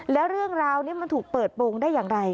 แล้วเรื่องราวนี้มันถูกเปิดโปรงได้อย่างไร